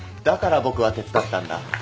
だから僕は手伝ったんだ。